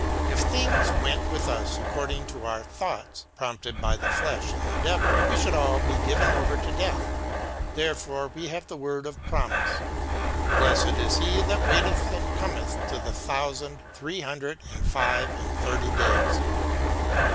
If things went with us according to our thoughts, prompted by the flesh and the devil, we should all be given over to death, therefore we have the word of promise :" Blessed is he that waiteth, and cometh to the thousand three hundred and five and thirty days.